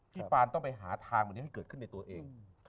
ปานต้องไปหาทางวันนี้ให้เกิดขึ้นในตัวเอง